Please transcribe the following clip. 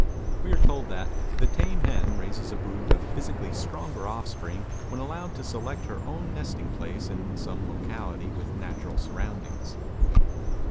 We are told that the tame hen raises a brood of physically stronger offspring when allowed to select her own nesting place in some locality with natural surroundings.